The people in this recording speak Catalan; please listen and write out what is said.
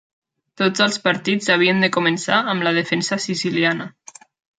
Tots els partits havien de començar amb la Defensa Siciliana.